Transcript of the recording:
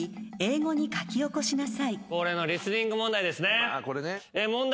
恒例のリスニング問題ですね。